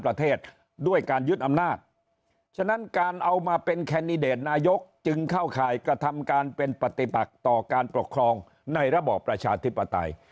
ประเทศด้วยการยึดอำนาจฉะนั้นการเอามาเป็นแคนดิเดตนายกจึงเข้าข่ายกระทำการเป็นปฏิปักต่อการปกครองในระบอบประชาธิปไตย